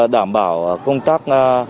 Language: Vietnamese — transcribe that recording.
đảm bảo công tác